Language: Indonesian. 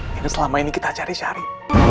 yang selama ini kita cari cari